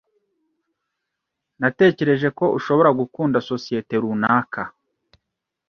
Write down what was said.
Natekereje ko ushobora gukunda sosiyete runaka.